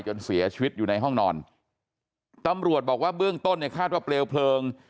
เสียชีวิตอยู่ในห้องนอนตำรวจบอกว่าเบื้องต้นเนี่ยคาดว่าเปลวเพลิง